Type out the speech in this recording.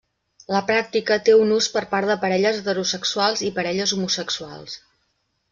La pràctica té un ús per part de parelles heterosexuals i parelles homosexuals.